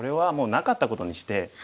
なかったことに。